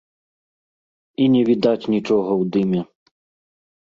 І не відаць нічога ў дыме.